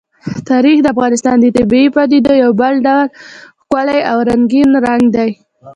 تاریخ د افغانستان د طبیعي پدیدو یو بل ډېر ښکلی او رنګین رنګ دی.